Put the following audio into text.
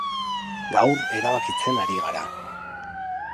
Gaur, erabakitzen ari gara.